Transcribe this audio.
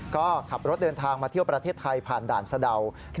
ก็ขับรถเดินทางมาเที่ยวประเทศไทยผ่านด่านสะดาว